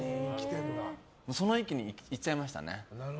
その域に行っちゃいましたね。